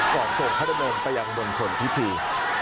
ก่อนส่งพระดำเนินไปอย่างบนคนพิธี